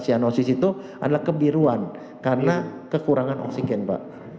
cyanosis itu adalah kebiruan karena kekurangan oksigen pak